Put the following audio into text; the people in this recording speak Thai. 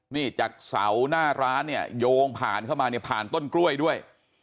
นี่จากเสาหน้าร้านเนี่ยโยงผ่านเข้ามาเนี่ยผ่านต้นกล้วยด้วย